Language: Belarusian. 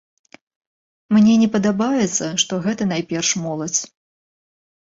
Мне не падабаецца, што гэта найперш моладзь.